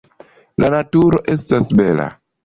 La naturo estas bela!